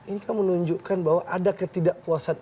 ini kan menunjukkan bahwa ada ketidakpuasan